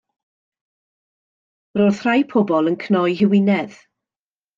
Roedd rhai pobl yn cnoi eu hewinedd.